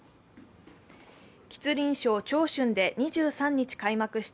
吉林省長春で２３日開幕した